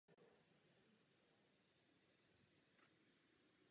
Všichni víme, že voda je základem veškerého života.